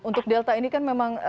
untuk delta ini kan memang